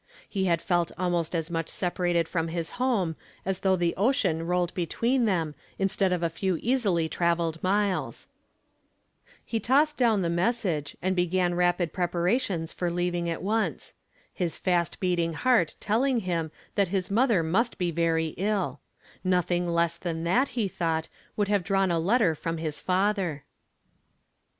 He had felt almost as much separated from his home as though the ocean rolled between them instead of a few easily travelled miles. "1 Will Work, and \vno shall let it?" 843 IIo tossed down the mamigo, and begdu rapid preparations f«,r Icavii.^r ^t onee ; his fust beating heart telhng lij.n timt his mother must be very ill. Nothin less than that, he thought, woukl have drawn a lettt r from liis fatli. i